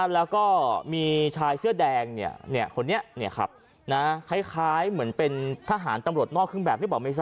แล้วก็มีชายเสื้อแดงคนนี้คล้ายเหมือนเป็นทหารตำรวจนอกขึ้นแบบ